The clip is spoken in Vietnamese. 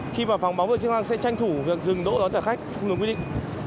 khi vào phòng báo về chức năng sẽ tranh thủ việc dừng đỗ đó cho khách không được quy định